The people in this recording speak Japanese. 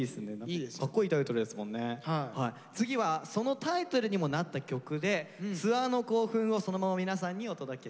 次はそのタイトルにもなった曲でツアーの興奮をそのまま皆さんにお届けします。